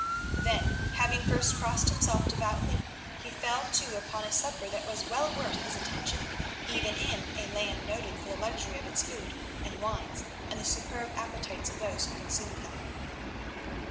Then, having first crossed himself devoutly, he fell to upon a supper that was well worth his attention, even in a land noted for the luxury of its food and wines and the superb appetites of those who consumed them.